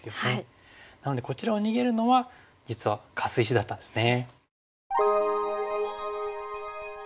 なのでこちらを逃げるのは実はカス石だったんですね。